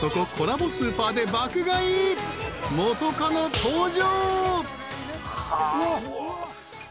［元カノ登場］